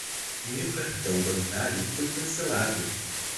Meu cartão bancário foi cancelado.